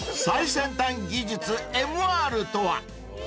［最先端技術ＭＲとは］